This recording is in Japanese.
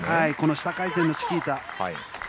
下回転のチキータ。